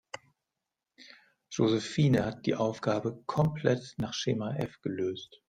Josephine hat die Aufgabe komplett nach Schema F gelöst.